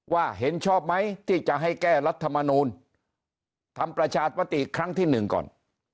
เห็นชอบไหมที่จะให้แก้รัฐมนูลทำประชาปติครั้งที่หนึ่งก่อน